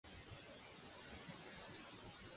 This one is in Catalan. La fe permet conèixer Déu.